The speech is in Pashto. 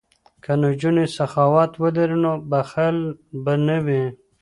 که نجونې سخاوت ولري نو بخل به نه وي.